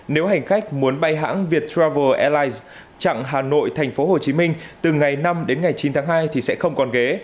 nếu hành khách muốn bay hãng viettravel airlines trạng hà nội thành phố hồ chí minh từ ngày năm đến ngày chín tháng hai thì sẽ không còn ghế